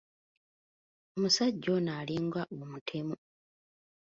Omusajja oyo alinga omutemu!